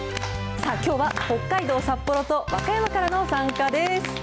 さあ、きょうは北海道札幌と和歌山からの参加です。